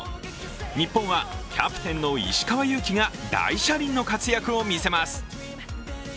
日本はキャプテンの石川祐希が大車輪の活躍を見せます。